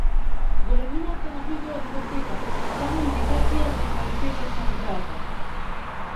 Големината на видео датотека е само индикација за квалитетот на видеото.